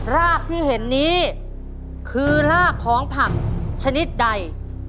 รากที่เห็นนี้คือรากของผักชนิดใด